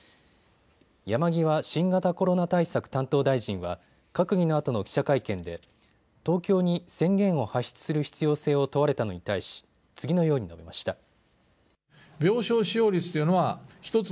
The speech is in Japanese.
山際新型コロナ対策担当大臣は閣議のあとの記者会見で東京に宣言を発出する必要性を問われたのに対し次のように述べました。